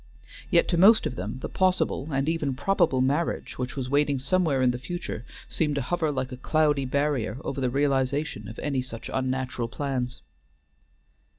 Yet to most of them the possible and even probable marriage which was waiting somewhere in the future seemed to hover like a cloudy barrier over the realization of any such unnatural plans.